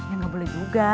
ya nggak boleh juga